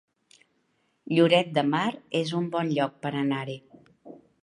Lloret de Mar es un bon lloc per anar-hi